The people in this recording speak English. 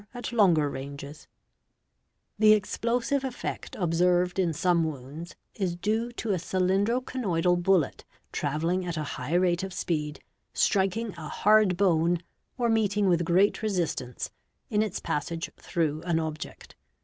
638 BODILY INJURIES "'The explosive effect observed in some wounds is due to a cylindro conoidal bullet, travelling at a high rate of speed, striking a hard bone, or meeting with great resistance, in its passage through an object.